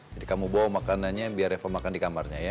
jadi kamu bawa makanannya biar reva makan di kamarnya ya